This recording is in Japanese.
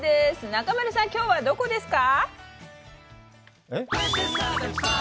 中丸さん、きょうはどこですか？